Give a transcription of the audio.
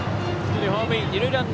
１人、ホームイン。